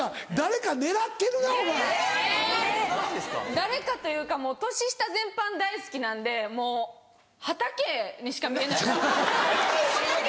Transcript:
誰かというかもう年下全般大好きなんでもう畑にしか見えないです。